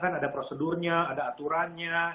ada prosedurnya ada aturannya